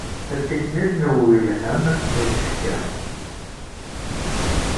Tatiknit n uwgelhen n isefka.